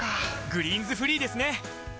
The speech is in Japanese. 「グリーンズフリー」ですね！